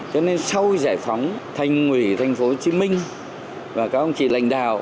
cho nên sau giải phóng thành quỷ thành phố hồ chí minh và các ông chị lãnh đạo